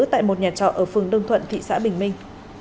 tại một nhà trọ ở phường đông thuận thị xã bình minh